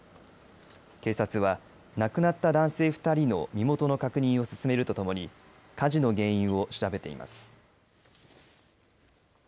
警察は亡くなった男性２人の身元の確認を進めるとともに火事の原因を調べています。